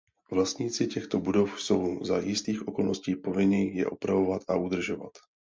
Vlastníci těchto budov jsou za jistých okolností povinni je opravovat a udržovat.